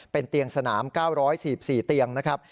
เป็นเตียงสนาม๙๔๔เตียงนะครับ